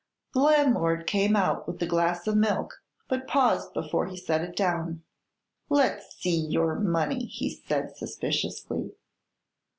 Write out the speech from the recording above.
The landlord came out with the glass of milk but paused before he set it down. "Let's see your money," he said suspiciously.